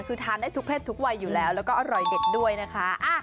คือทานได้ทุกเพศทุกวัยอยู่แล้วแล้วก็อร่อยเด็ดด้วยนะคะ